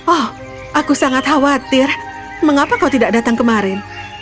oh aku sangat khawatir mengapa kau tidak datang kemarin